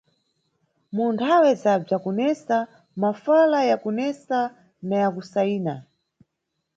Mu nthawe za bzakunesa, mafala yakunesa na yakusayina.